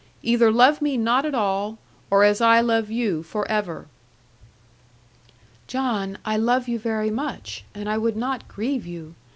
Either love me not at all, or as I love you for ever.' 'John I love you very much; and I would not grieve you.